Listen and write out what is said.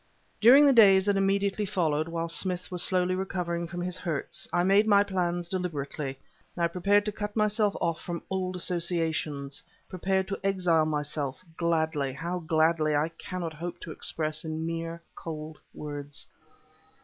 During the days that immediately followed, whilst Smith was slowly recovering from his hurts, I made my plans deliberately; I prepared to cut myself off from old associations prepared to exile myself, gladly; how gladly I cannot hope to express in mere cold words.